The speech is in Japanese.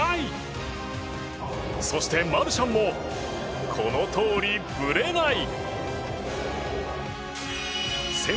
そしてマルシャンもこのとおりブレない。